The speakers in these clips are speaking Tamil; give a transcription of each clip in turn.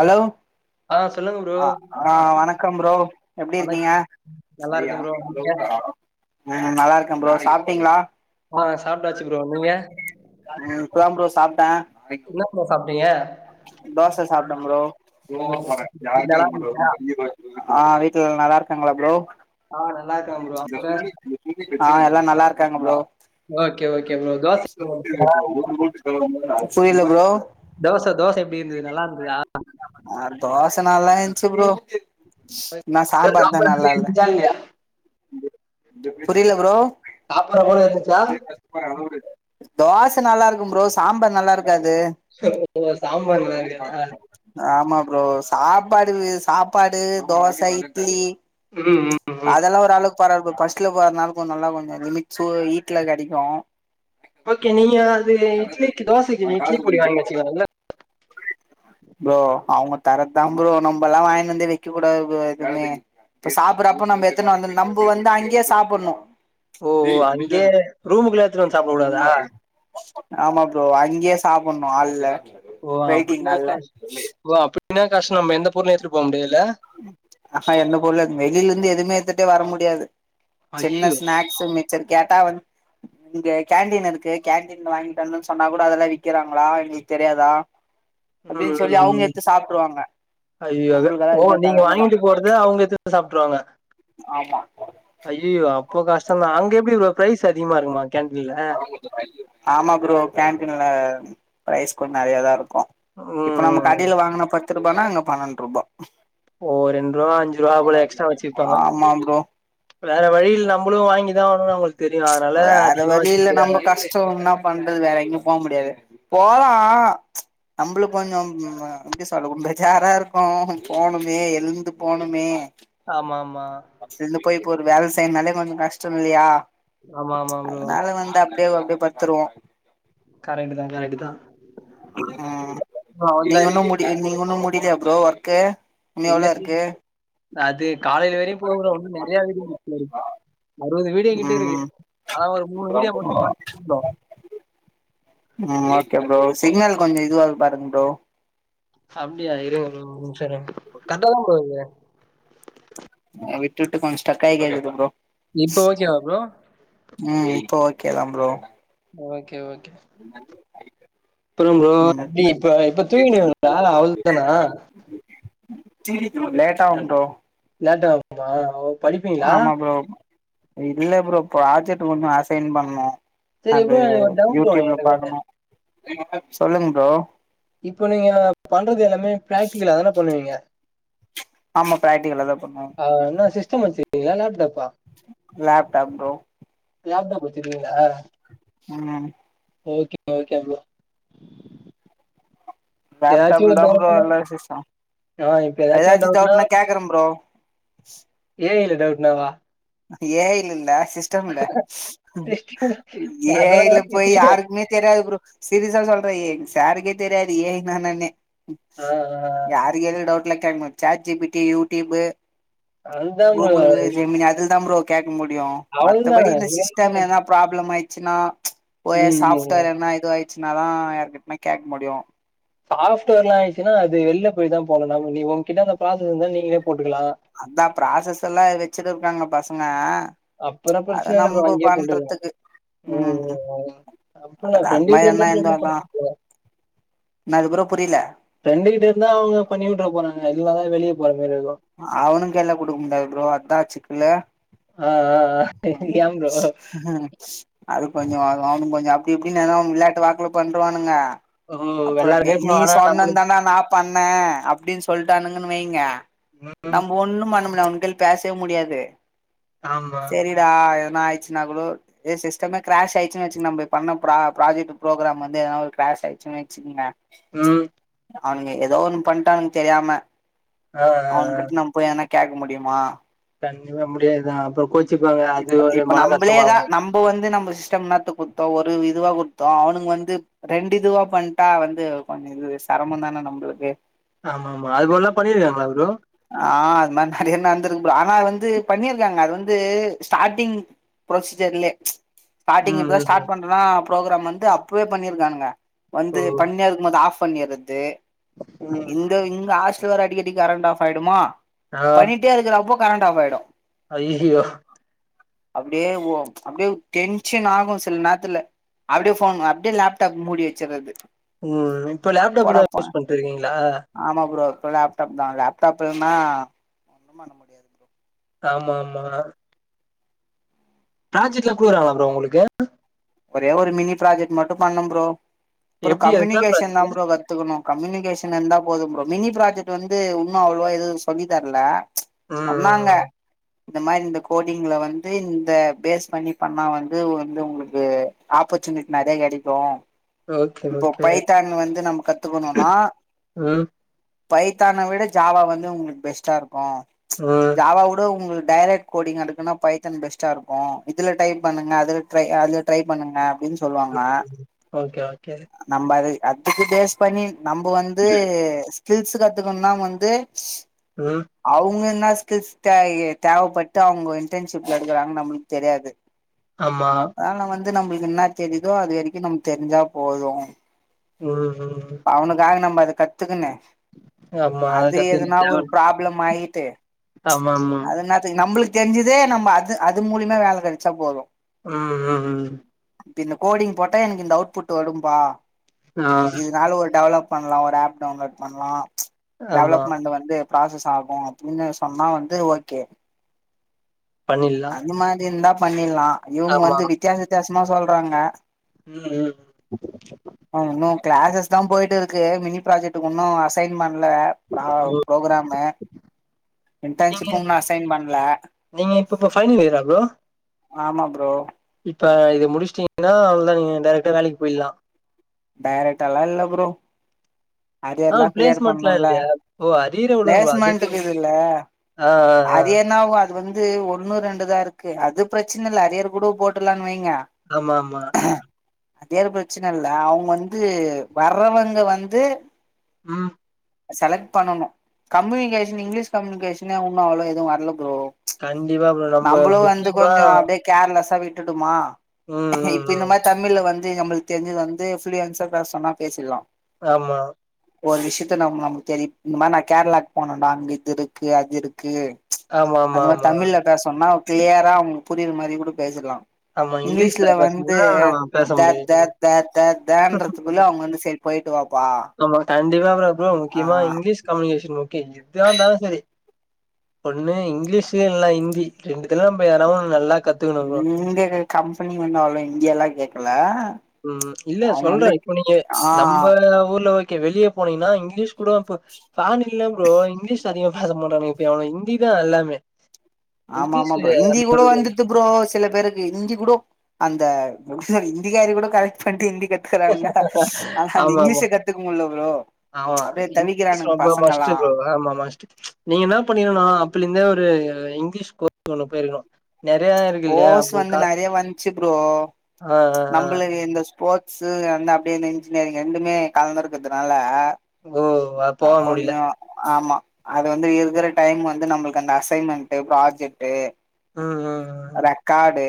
அலோ ஆ சொல்லுங்க ப்ரோ. அ ஆ வணக்கம் ப்ரோ வணக் எப்டிருக்கீங்க நல்லா இருக்கேன் ப்ரோ. நீங்க? ம் நல்லாருக்கே ப்ரோ சாப்ட்டீங்ளா ஆ சாப்டாச்சு ப்ரோ நீங்க ம் இப்ப தா ப்ரோ சாப்ட்டே இன்ன ப்ரோ சாப்ட்டீங்க தோச சாப்ட்டே ப்ரோ நல்லா இருந்துச்சா? ஆ வீட்ல எல்லா நல்லாருக்காங்ளா ப்ரோ ஆ நல்லா இருக்கேன் ப்ரோ. அங்க? ஆ எல்லா நல்லாருக்காங்க bro okay okay bro dosa [inaudible] புரில ப்ரோ தோச தோச எப்டி இருந்துது நல்லாருந்துதா ஆ தோச நல்லா இந்ச்சி ப்ரோ ன்ன சாம்பார் தா நல்லால்ல ஐயே புரில ப்ரோ சாப்பற போல இருந்துச்சா தோச நல்லாருக்கு ப்ரோ சாம்பார் நல்லாருக்காது ஓ சாம்பார் நல்லார்க்காதா ஆமா ப்ரோ சாப்பாடு சாப்பாடு, தோச, இட்லி ம் ம் ம். இதல்லா ஓரளவுக் பராவ்ல ப்ரோ ஃபஸ்ட்ல வரனால கொஞ் நல்லா கொஞ்சோ லிமிட் சு ஈட்ல கெடைக்கு ஓகே நீங்க அது இட்லிக்கு தோசைக்கு இட்லி பொடி வாங்கி வச்சிக்கலா இல்ல ப்ரோ அவ்ங்க தரத் தா ப்ரோ நம்பல்லா வாய்ன் வந்து வெக்கக்கூடாது ப்ரோ எதுமே இப்ப சாப்பறப்போ நம்ப எத்துனு வந்து நம்ப வந்து அங்கயே சாப்பட்ணு ஓ ஓ அங்யே ரூமுகுள்ளே எத்துன் வந் சாப்ட கூடாதா ஆமா ப்ரோ அங்யே சாப்பட்ணு ஆல்ல ஓ அப்பின்னா கஷ் ஓ அப்பின்னா கஷ்னம் எந்த பொர்ளு எத்துட்டு போ முடியல்ல அஹா எந்த பொர்ளு எத் வெளிலந்து எதுமே எத்துட்டே வர முடியாது சின்ன ஐயய்யோ! ஸ்நாக்ஸ் ஸு மிச்சர் கேட்டா வந் இங்க கேண்டீன் இருக்கு கேண்டீன் ல வாங்கிட் வந்தன் சொன்னா கூட அதல்லா விக்கிறாங்களா எங்ளுக் தெரியாதா ம், அப்டின் சொல்லி ம், ம். அவுங்க எத்து சாப்ட்ருவாங்க ஐயோ நம்பளுக்கெல்லா ஓ எதுமே நீங்க வாங்கிட்டு போறத அவுங்க எத்து சாப்ட்ருவாங்க ஆமா ஐயயோ அப்போ கஷ்டந்தா அங்க எப்டி ப்ரோ ப்ரைஸ் அதிகமா இருக்குமா கேண்டீன்ல ஆமா ப்ரோ கேன்டீன்ல ப்ரைஸ் கொஞ் நெறையா தா இருக்கு ஓ இப்ப நம்ம கடைல வாங்னா பத்துருபான்னா அங்க பன்னண்ட்ருபா ஓ ரெண்ருவா அஞ்சுருவா போல எக்ஸ்ட்ரா வெச்சு விப்பாங்க ஆமா ப்ரோ வேற வழியில்ல நம்ளு வாங்கிதாவ்ணு அவங்கள்க் தெரியிது அதனால அதிகமா வெச்சி விக்கிறாங்க சோ உன்னா பண்றது வேற எங்யு போ முடியாது போலா நம்ப்ளு கொஞ்சோ ம் அ எப்டி சொல்ல ம் பேஜாரா இருக்கு போணுமே எழ்ந்து போணுமே ஆமாமா பஸ்லிந்து போய் இப்ப ஒரு வேல செய்ன்னாலே கொஞ்சோ கஷ்டமில்லியா ஆமா ஆமா ப்ரோ அதுனால வந்து அப்டியேவு அப்டே பத்துருவோ கரெக்ட்டு தா கரெக்ட்டு தா ப்ரோ அவ்ள்தா ஏ நீங் உன்னு முடிக்லயா ப்ரோ ஒர்க்கு உன்னி இல்ல எவ்ளோ இருக்கு அது காலைல வரையு போகு ப்ரோ உன்னு நெறையா இருக்கு [inaudible] அறுவது வீடியோ கிட்ட இருக்கு ம் அதா ஒரு மூணு வீடியோ மட்டு [inaudible] ப்ரோ ம் ஓகே ப்ரோ சிக்னல் கொஞ்சோ இதுவாருக் பாருங் ப்ரோ அப்டியா இருங்க ப்ரோ ஒரு நிம்ஷோ இருங் கர்ட்டா தா ப்ரோ இருக்கு அ விட்டு விட்டு கொஞ் ஸ்டக்காய் கேக்குது ப்ரோ இப்ப ஓகேவா ப்ரோ ம் இப்ப ஓகே தா ப்ரோ ஓகே ஓகே என்னது [inaudible] அப்பறோ ப்ரோ நீ இப்ப இப்ப தூங்கினுவீங்களா அவ்ள் தானா [unintelligible] லேட்டா வந்ட்டோ லேட்டா வந்ட்டோ ஓ ஆமா ப்ரோ இல்ல ப்ரோ ப்ராஜெக்ட் கொஞ்சோ அசைன் பண்ணு சரி அது ப்ரோ எனக்கு ஒரு டவுட் யூடிப்ல எனக்கு ஒன்னு பாக்கணு சொல்லுங்க ப்ரோ இப்ப நீங்க பண்றது எல்லாமே பிராக்டிகலா தான பண்ணுவீங்க ஆமா பிராக்டிகலா தா பண்ணுவோ ஆ என்ன சிஸ்டம் வெச்சிருக்கீங்க ஏ லேப்டாப்பா லேப்டாப் ப்ரோ லேப்டாப் வெச்சிருக்கீங்ளா ம் ஓகே ஓகே ப்ரோ ஏதாச்சு லேப்டாப்ல ஒரு தா ப்ரோ டவுட்னா எல்லா சிஸ்டம் ஆ இப்ப ஏதாச்சு ஒரு டவுட்னா ரம் ப்ரோ ஏ ஐ ல டவுட்னாவா ஏ ஐல இல்ல சிஸ் டம்ல ஏ அதெல்லா ஐல போய் யாருக்குமே தெரியாது ப்ரோ சிரியஸா சொல்ற ஏ சாருகே தெரியாது ஏ ஐனா என்னான்னே ஆ ஆ யார்கே கேட்டாலு டவுட்லா கேக்கமாட் சாட்ஜிபிட்டி யூட்டிப்பு அதுதா ப்ரோ கூகுள் ஜெமினி அதுல தா ப்ரோ கேட்க முடியு அவ்ளதா மத்தபடி இந்த சிஸ்டம் ஏனா ப்ராப்லம் ஆய்டிச்சுனா ஓயே ம் ம் சாப்ட்வேர் என்ன இதுவாயிச்சுனாதா யார்க்கிட்னா கேட்க முடியு சாப்ட்வேர்லா இதாயிடுச்சுானா அது வெலில போய்தா போடனு நாம உங்கக்கிட்ட அந்த ப்ராசஸ் இருந்தா நீங்களே போட்டுக்கலா அதா ப்ராசஸெல்லா வெச்சுட்டுருக்காங்க பசங்க அப்புறம் அத பிரச்சன இல்ல ப்ரோ நம்ப அங்கேயே போட்டுக்கலாம் பண்றதுக்கு ம் அப்ப நான் ஃப்ரெண்டு அதுமாரி கிட்ட என்ன இருந்தா பண்ண தா என்னது ப்ரோ புரியல ஃப்ரெண்டு கிட்ட இருந்தா அவங்க பண்ணி உட்டட போறாங்க அதுக்காக வெளிய போற மாரியிருக்கு அவனங்க கைல குடுக்க முடியாது ப்ரோ அதா சிக்கலு ஆ ஆ ஆ ஏ ப்ரோ அது கொஞ்சோ அவனுங்க கொஞ்சோ அப்படி இப்படின்னு விளையாட்டு வாக்ல பண்வானுங்க ஓ அப்புறோ எல்லாருமே போனு டெய்லி ஆனா நம்மளுக்கு சொன்னதான நா பண்ண அப்டின்னு சொல்டானுங்கன்னு வைங்க ம் நம் ஒண்ணு பண்ண முடியாது அவனுக் ஹல்ப் பேசவே முடியாது ஆமா கியா எதனா ஆயிச்சுன்னா கூடோ இதே சிஸ்டமே கிராஷ் ஆயிச்சு வெச்சுங்ளே நம்ம பண்ண ப்ரா பராஜெட் ப்ரோங்ராம் வந்து எதனா ஒரு கிராஷ் ஆய்டிச் வெச் சுக்குங்க ம் அவனுங்க ஏதோ ஒன்னு பண்டானுங்க தெரியாம ஆ ஆ அவனுங் ஆ கிட்ட நம் போய் எதனா கேட்க முடியுமா கண்டிப்பா முடியாதுதா அப்புறோ கோச்சிப்பாங்க அது ஒரு மன கஷ்டோமாகு இப்போ வந்து நம்ம சிஸ்டம் என்னாத்துக் குடுத்தோ ஒரு இதுவா குடுத்தோ அவனுங்க வந்து ரெண்டு இதுவா பண்ணிட்டா வந்து கொஞ்சோ இது செரமம் தான நம்மளுக்கு ஆமா ஆமா அதுபோலல்லா பண்ணிருக்காங்ளா ப்ரோ ஆ அது மாரி நறைய நடந்துருக்கு ப்ரோ ஆனா அது வந்து பண்ணியிருக்காங்க அது வந்து ஸ்டார்டிங் ப்ரொசீஜர்லயே ஸ்டார்டிங் ம் இப்பதா ம் ஸ்டார்ட் பண்றனா ப்ரோக்ராம் வந்து அப்பவே பண்ணியிருக்கானுங்க வந்து ஓ பண்ணியாருக்கும் போது ஆஃப் பண்ணிடறது ம் இந்த இங்க ஆகஸ்டில் வேற அடிக்கடிக் கரண்ட் ஆஃப் ஆயிடுமா ஆ பண்ணிட்டே இருக்கப்போ கரண்ட் ஆஃப் ஆயிடு ஐய்யயோ அப்டியே ஓ அப்டியே டென்ஷனாகும் சில நேரத்துல அப்டியே ஃபோன் அப்டியே லேப்டாப் மூடி வச்சறது ம் இப்ப லேப்டாப் தா யூஸ் பண்ணிட்ருக்கீங்ளா ஆமா ப்ரோ இப்ப லேப்டாப் தா லேப்டாப் இல்லனா ஒன்னு பண்ண முடியாது ப்ரோ ஆமா ஆமா ப்ராஜெக்ட்லா குடுகறாங்களா ப்ரோ உங்களுக்கு ஒரே ஒரு மினி ப்ராஜெக்ட் மட்டு பண்ண ப்ரோ அப்றோ எப்டி அதுதா கம்யூனிகேஷன் ப்ராஜெக்ட் தா ப்ரோ கத் துக்குணு கம்யூனிகேஷன் இருந்தா போதும் ப்ரோ மினி ப்ராஜெக்ட் வந்து இன்னு அவ்ளோவா எது சொல்லி தர்ல ம் சொன்னாங்க ம் இந்த மாரி இந்த கோடிங்ல வந்து இந்த பேஸ் பண்ணி பண்ணா வந்து வந்து உங்களுக் கு ஆப்பர்ச்சுனிட்டி நறைய கெடைக்கு ஓகே இப்போ ஓகே பைத்தான் வந்து நம்ப கத்துக்கோணுனா ம் பைத்தான விட ஜாவா வந்து உங்களுக்கு பெஸ்ட்டா இருக்கு ம் ஜாவாவுட உங்களுக்கு டைரெக்ட் கோடிங் எடுக்குனா பைத்தன் பெஸ்ட்டா இருக்கு இதுல டைப் பண்ணுங்க அதுல ட்ரை அ அதுல ட்ரை பண்ணுங்க அப்டினு சொல்லுவாங்க ஓகே ஓகே நம்ப அது அதுக்கு பேஸ் பண்ணி நம்ப வந்து ஸ்கில்ஸ் கத்துக்குணும்னா வந்து ம் அவுங்க என்னா ஸ்கில்ஸ் தை தேவப்பட்டு அவுங்க இன்டன்ஷிப்ல எடுக்கறாங்கனு நம்மளுக்கு தெரியாது ஆமா அதால வந்து நம்புளுக்கு என்ன தெரியுதோ அது வரிக்கு நம்கு தெரிஞ்சா போது ம் ம் ம் அவனுக்காக நம்ம அத கத்துக்குனு ஆமா அது கத்துக்க எதுனா தேவ ஒரு ப்ராப்ளம் ஆயிட்டு ஆமா ஆமா அதென்னதுக்கு நம்புளுக்கு தெரிஞ்சதே நம அது அது மூலியமா வேல கெடச்சா போது ம் ம் ம் இப்ப இந்த கோடிங் போட்டா எனக்கு இந்த அவுட்புட் வரும்பா ஆ இருந்தாலு ஒரு டெவலப் பண்லா ஒரு ஆப் டவுன்லோட் பண்லா ஆமா டெவலப்மெண்டு வந்து ப்ராசஸ் ஆகு அப்டினு சொன்னா வந்து ஓகே பண்ணில் இந்த மாரி இருந்தா பண்ணிட்லா இவுங்க ஆமா வந்து வித்தியாச வித்தியாசமா சொல்றாங்க ம் ம் ஆ இன்னு கிளாஸஸ் தா போயிட்டு இருக்கு மினி ப்ராஜெக்டுக்கு இன்னு அசைன் பண்ல ப்ரா ப்ரோகராமு நீங்க இன்டன்ஷிப்பு இண்ணு அசைன் பண்ல நீங்க இப்ப இப்ப ஃபைனல் இயரா ப்ரோ ஆமா ப்ரோ இப்ப இது முடிச்சுட்டீங்கன்னா அவ்ளோதா நீங்க டைரக்ட்டா வேலைக்கு போயிட்லா டைரக்ட்டால்லா இல்ல ப்ரோ ஆ அரியர்ல்லா கிளியர் பிளேஸ்மெண்ட்லா பண்ணுல இல்லையா ஓ அரியர விடுங்க ப்ரோ அதுக்கு பிளேஸ்மண்ட்டுக்கு இதுல்ல ஆ ஆ ஆ அது என்னாவோ அது வந்து ஒண்ணோ ரெண்டுதா இருக்கு அது பிரச்சன இல்ல ஹரியரு கூட போட்டற்லானு வைங்க ஆமா ஆமா அரியர் பிரச்சன இல்ல அவுங்க வந்து வர்றவங்க வந்து ம் செலக்ட் பண்ணனு கம்யூனிகேஷன் இங்கிலீஷ் கம்யூனிகேஷனே உன்னு அவ்ளோ எதுவு வர்ல ப்ரோ கண்டிப்பா ப்ரோ நம்ப முக்கியமா கேர்லஸா விட்டுடுமா ம் ம் இப்ப இந்த ம் மாரி தமிழ்ல வந்து நம்புளுக்கு தெரிஞ்சது வந்து ஃப்லூயன்ஸா பேச சொன்னா பேசிர்லா ஆமா ஒரு விஷயத்த நம் நமக்கு தெரியு இந்த மாரி நா கேரளாக்கு போனனா அங்க இதுருக்கு அதுருக்கு ஆமா அந்த ஆமா மாரி ஆமா தமிழ்ல பேசொன்னா கிளியரா அவுங்களுக் புரியற மாரி கூட பேசிட்லா ஆமா இங்கிலீஷ்ல இங்க்லீஷ்ல வந்து பேசணும்னா பேச த முடியாது த த த தன்றதுக்குள்ள அவுங்க வந்து சேர் போய்ட்டு வாப்பா நம்ம கண்டிப்பா அப்றோ ப்ரோ ஆ முக்கியமா இங்க்லீஷ் கம்யூனிகேஷன் முக்கியு எதாருந்தாலு சேரி ஒண்ணு இங்க்லீஷு இல்ல இந்தி ரெண்டுத்துல நம்ப எதா ஒன்னு நல்லா கத்துக்கணும் ப்ரோ இந்த கம்பெனி வந்து அவ்ளோ இந்தியெல்லா கேக்கல ம் இல்ல அவங்க சொல்றே வந்து இப்போ நீங்க ஆ நம்ப ஊர்ல வெளிய போனீங்கன்னா இங்க்லீஷ் கூட இப்ப பான் இல்ல ப்ரோ இங்க்லீஷ் அதிக பேச மாட்டானுங்க இப்ப எவனு இந்தி தா எல்லாமே ஆமாமா இங்கிலீஷு ப்ரோ இந்தி கூட வந்துட்டு அப்புறோ சில பேருக்கு இந்தி கூடோ அந்த எப்டி சொல்றது இந்திகாரி கூட கரெக்ட் பண்ட்டு இந்தி கத் துக்கறானுங்க ஆனா இந் ஆமா இங்க்லீஷ கத்துக் முல்ல ப்ரோ ஆமா அப்டியே இங்க்லீஷ் தவிக்கிறானுங்க ரொம்ப பசங்கல்லா மஸ்ட்டு ப்ரோ ஆமா மஸ் நீங்க என்ன பண்ணிருக்கணுனா அப்பலந்தே அ ஒரு இங்க்லீஷ் கோஸ் ஒண்ணு போயிருக்ணு கோஸ் வந்து நெறய வந்ச்சு ப்ரோ ஆ ஆ ஆ நம்பளுக்கு இந்த ஸ்போ ட்ஸ் அந்த அப்டே இந்த இன்ஜினியரிங் ரெண்டுமே கலந்துருக்கிற்துனால ஓ அ போக முடியல கொஞ்சோ ஆமா அது வந்து இருக்கற டைம் வந்து நம்ளுக்கு அந்த அசைன்மெண்ட்டு ப்ராஜெக்ட்டு ம் ம் ம் ரெக்காடு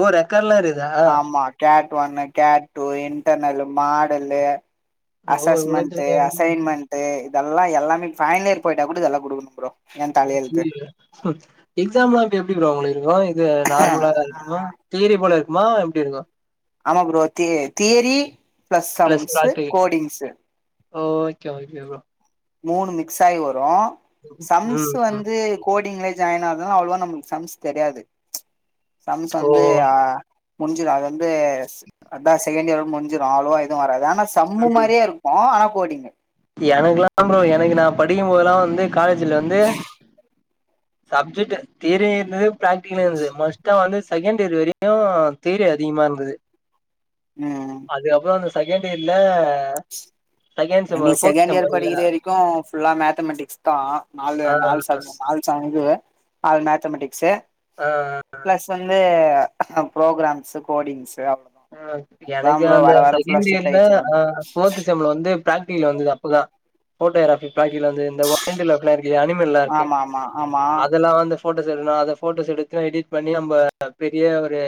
ஓ ரெக்காட்லா இருக்குதா கேட் ஒன்னு கேட் டூ இன்டர்னல்லு மாடல்லு ஓ இவ்ளோ அசஸ்மெண்ட்டு பெரிய அசைன்மெண்ட்டு இதெல்லா எல்லாமே ஃபைன்ல் யேரு போய்ட்டா கூட இதெல்லா குடுக்கணு ப்ரோ ஏ தலையெழுத்து எக்ஸாம்லா இப்ப எப்படி ப்ரோ உங்களுக்கு இருக்கு இது நார்மலா இருக்குமா தியரி போல இருக்குமா எப்டி இருக்கு ஆமா ப்ரோ த தியரி ப்ளஸ் சம்ஸு கோடிங்ஸு ஓ ஓகே ஓகே ப்ரோ மூணு மிக்ஸாயி வரு சம்ஸ் ம் ம் வந்து கோடிங்ல ஜாயின் ஆக்துனா அவ்ளவோ நம்மளுக் சம்ஸ் தெரியாது சம்ஸ் ஓ வந்து ஆ முஞ்சிரு அது வந்து அதா செகண்ட் யேரோட் முஞ்சிரு அவ்ளோவா எதுவு வராது ஆனா சம்மு மாரியே இரு க்கு ஆனா கோடிங்கு எனக்குல்லா ப்ரோ எனக்கு நா படிக்கும்போதெல்லா வந்து காலேஜில வந்து சப்ஜெட்டு தியரியு இருந்தது ப்ராக்டிகலு இருந்தது மஸ்ட்டா வந்து செகண்டேரு வரியு தியரி அதிகமா இருந்தது ம் அதுக்கப்புறோ அந்த செகண்ட் இயர்ல செகண்ட் செம்ல எங்களுக்கு செகண்ட் இயர் படிக்கிற வரிக்கு ஃபுல்லா மேத்தமெட்டிக்ஸ் தா நாலு ஆ நாலு சப் ஆல் [unintelligible] ஆல் மேத்தமெட்டிக்ஸு அ ப்ளஸ் வந்து ப்ரோக்ராம்ஸு கோடிங்ஸு அவ் அ எனக்கு அந்த செகண்டு ஸ்ட்ரிக்ட் யேர்ல ஆயிச்சு அ கொஞ்சோ போர்த்து செம்ல வந்து ப்ராக்டிகல் வந்துது அப்பதா ஃபோட்டோகிராபி ப்ராக்டிகல் வந்து இந்த [unintelligible] இருக்கில்லயா அனி மல்லாருக்கே ஆமா ஆமா ஆமா அதெல்லா வந்து போட்டோஸ எடுக்ணு அத ஃபோட்டோஸ் எடுத்து எடிட் பண்ணி நம்ம பெரிய ஒரு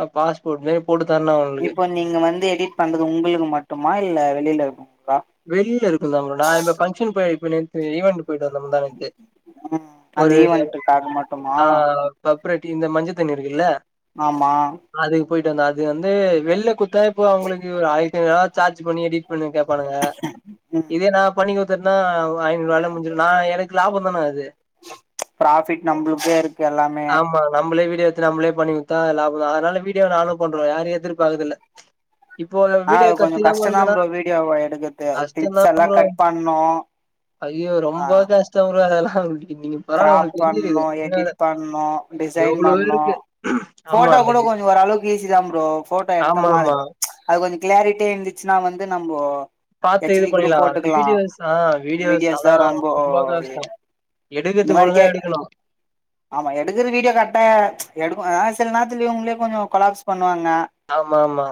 அ பாஸ்போட் மாரி போட்டுத்தர்னோ அவ்ங்ளுக்கு இப்போ நீங்க வந்து எடிட் பண்றது உங்களுக்கு மட்டுமா இல்ல வெளியில இருக்குங்ளுக்கா வெளியில இருக்குந் தான் ப்ரோ நா இந்த ஃபங்க்ஷன் போய் இப்ப நேத்து ஈவன்டு போய்ட்டு வந்த முந்தாநேத்து ம் அந்த ஒரு [unintelligible] ஈவென்ட்டுக்காக மட்டுமா ஆ பப்ரட்டி இந்த மஞ்ச தண்ணி இருக்கில்ல ஆமா அதுக்கு போயிட்டு வந்தே அது வந்து வெளில குடுத்தா இப்போ அவங்களுக்கு ஒரு ஆயிரத்ஐநூறு ரூவா சார்ஜ் பண்ணி எடிட் பண்ண கேப்பபானுக ம் இதே நா பண்ணி குடுத்துட்டேன்னா ஐநூறு ரூவால முடிஞ்சிடு நா எனக்கு லாபந்தான அது ப்ராஃபிட் நம்மளுக்கே இருக்கு எல்லாமே ஆமா நம்பலே வீடியோ எடுத் து நம்மளே பண்ணி குடுத்தா லாபந்தா அதனால வீடியோ நானு பண்றே யாரையு எதிர்பாக்குறது இல்ல இப்போ அந்த வீடியோ கத்திலா போடணு சொன்னா எவே எடுக்குறது கஷ்டந்தா ப்ரோ ஐயோ ஆ ரொம்ப கஷ்டோ ப்ரோ அதெல்லா நீ கிராப் பண்ணனு எடிட் பண்ணனு டிசைன் எவ்ளோ பண்ணனு இருக்கு. ஆமா போட்டோ அந்த கூட கொஞ்சோ ஓரளவுக்கு ஈசி தா ப்ரோ போட்டோ எடுத்தமா ஆமாமா. அதுக்கு அது கொஞ்சோ கிளாரிட்டியே இருந்துச்சுன்னா வந்து நம்போ பாத்து ஹெச் இது டி கூட பண்ணிலா போட்டுக்கலா வீடியோஸ் ஆ வீடியோஸ் தா ஆனா ரொம்போ ரொம்ப கஷ்டோ இந்த எடுக்கதுக்கு மாரி கே ஒழுங்கா எடுக்கணு ஆமா எடுக்கறது வீடியோ கரெக்ட்டா எடுக்க ஆ சில நேரத்துல இவுங்களே கொஞ்சோ கொலாப்ஸ் பண்ணுவாங்க ஆமா ஆமா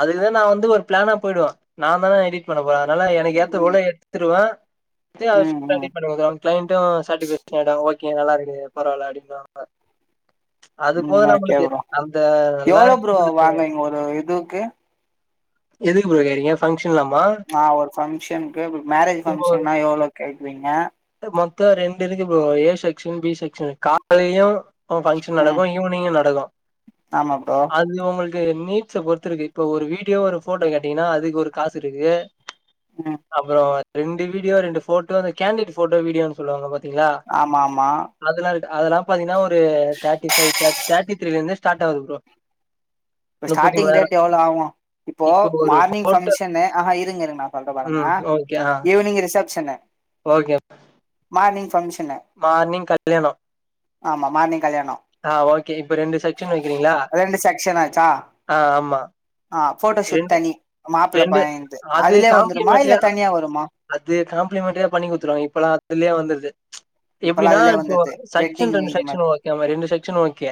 அதுக்குதா நா வந்து ஒரு பிளானா போயிடுவே நா தான எடிட் பண்ண போறே அதனால எனக்கு ஏத்த ம் போல எடுத்துருவே எடுத்து ம் அததா ம் எடிட் பண்ணுவே நா கிளைண்டு சேட்டிபிகேஷன் ஆயிட்டாங்க ஓகே நல்லாருக்கு பரவால்ல அப்டின்னுவாங்க அது போது ம் ஓகே நம்மளுக்கு ப்ரோ அந்த நல்லா எவ்ளோ இருக்கு ப்ரோ வாங்குவீங்க ஒரு இதுக்கு எதுக்கு ப்ரோ கேக்றீங்க ஃபங்ஷன் இல்லாமா ஆ ஒரு ஃபங்க்ஷனுக்கு மேரேஜ் ஃபங்க்ஷன்னா எவ்ளோ கேக்குவீங்க மொத்தோ ரெண்டு இருக்கு bro A section B section காலேலயு பங்க்ஷன் ம் நடக்கு ஈவினிங்கு நடக்கு ஆமா ப்ரோ அது உங்களுக் கு நீட்ஸ பொறுத்து இருக்கு இப்ப ஒரு வீடியோ ஒரு போட்டோ கேட்டீங்கன்னா அதுக்கு ஒரு காசு இருக்கு ம் அப்பறோ ரெண்டு வீடியோ ரெண்டு போட்டோ இந்த கேண்டிட் போட்டோ வீடியோன்னு சொல்லுவாங்க பாத் தீங்களா ஆமா ஆமா அதெல்லா இரு அதெல்லா பாத்தீங்கன்னா ஒரு தேட்டி ஃபைவ் தேட் தேட்டி த்ரீல இருந்தே ஸ்டார்ட் ஆகுது ப்ரோ இப்ப ஸ்டார்டிங் ரேட் எவ்ளோ ஆவு இப்போ இப்ப ஒரு மார்னிங் ஃபோட்டோ ஃபங்க்ஷன்னு ஆஹா இருங்க இருங்க நா சொல்றே பாருங்க ம். ஓகே. ஆ. Evening reception okay morning function morning கல்யாணோ ஆமா மார்னிங் கல்யாணோ ஆ ஓகே இப்ப ரெண்டு செக்ஷன் வக்கிறீங்களா ரெண்டு செக்ஷன் ஆச்சா ஆ ஆமா ஆ போட்டோஷூட் தனி மாப்பிள்ள பையன்து அது அதுலயே வந்துருமா இல்ல காம்ப்ளிமெண்டரியா தனியா வருமா அது காம்ப்ளிமெண்ட்ரியா பண்ணி குடுத்துருவோ இப்பெல்லா அதுலயே வந்துருது இப்பல்லா எப்டின்னா அதுலயே இப்ப வந்துருது செக்ஷன் வெட்டிங் ரெண்டு இது செக்ஷன் ஓகே மாரி ரெண்டு செக்ஷன் ஓகே